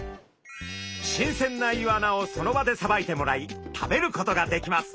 新鮮なイワナをその場でさばいてもらい食べることができます。